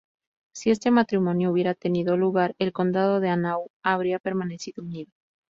Si este matrimonio hubiera tenido lugar, el condado de Hanau habría permanecido unido.